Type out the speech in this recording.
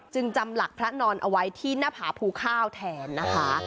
จำหลักพระนอนเอาไว้ที่หน้าผาภูข้าวแทนนะคะ